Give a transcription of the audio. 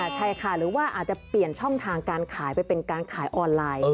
ใช่ค่ะหรือว่าอาจจะเปลี่ยนช่องทางการขายไปเป็นการขายออนไลน์